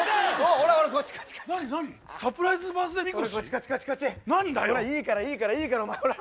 ほらいいからいいからお前ほら。